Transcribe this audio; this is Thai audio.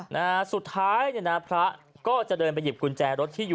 ห่ะสุดท้ายเนี่ยนะพระก็จะเดินไปหยิบกุญแจรถ